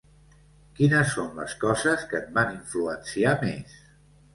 Quines són les coses que et van influenciar més?